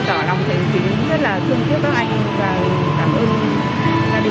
và cảm ơn gia đình của anh